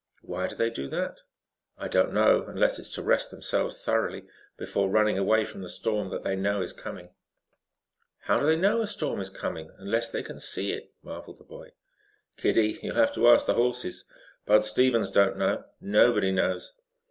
"Why do they do that?" "I don't know, unless it is to rest themselves thoroughly before running away from the storm that they know is coming." "How do they know a storm is coming, unless they can see it?" marveled the boy. "Kiddie, you'll have to ask the horses. Bud Stevens don't know nobody knows.